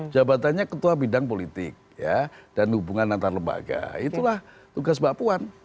jabatannya ketua bidang politik dan hubungan antar lembaga itulah tugas mbak puan